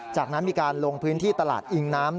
จากนั้นมีการลงพื้นที่ตลาดอิงน้ำ